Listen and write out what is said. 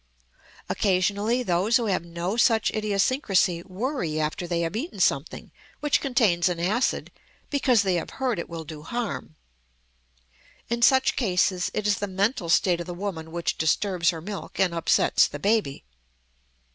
Occasionally those who have no such idiosyncrasy worry after they have eaten something which contains an acid because they have heard it will do harm. In such cases it is the mental state of the woman which disturbs her milk and upsets the baby.